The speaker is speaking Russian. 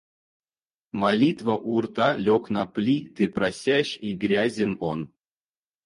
Молитва у рта, — лег на плиты просящ и грязен он.